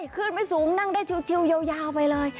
ขึ้นไม่สูงนั่งได้ชิวยาวไปเลย